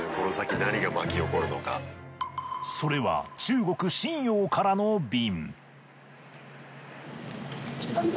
それは中国瀋陽からの便。